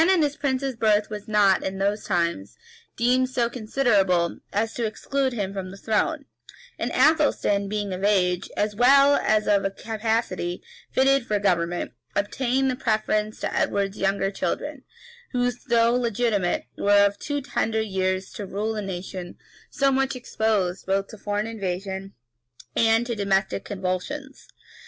} The stain in this prince's birth was not, in those times, deemed so considerable as to exclude him from the throne; and Athelstan, being of an age, as well as of a capacity, fitted for government, obtained the preference to Edward's younger children, who, though legitimate, were of too tender years to rule a nation so much exposed both to foreign invasion and to domestic convulsions.